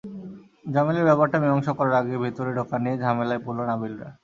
জামিলের ব্যাপারটা মীমাংসা করার আগে ভেতরে ঢোকা নিয়ে ঝামেলায় পড়ল নাবিলরা।